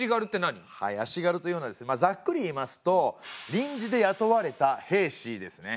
はい足軽というのはまあざっくり言いますと臨時で雇われた兵士ですね。